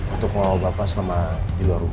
untuk mau bawa bapak sama di luar rumah